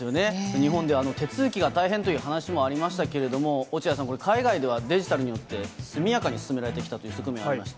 日本では手続きが大変という話もありましたけれども、落合さん、これ、海外ではデジタルによって速やかに進められてきたという側面ありました。